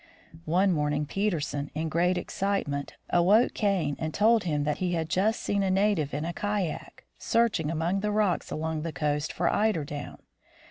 One morning Peterson, in great excitement, awoke Kane and told him that he had just seen a native in a kayak, searching among the rocks along the coast for eider down.